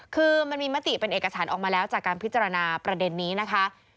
คือมันมีมติเป็นเอกสารออกมาแล้วจากการพิจารณาประเด็นนี้นะคะ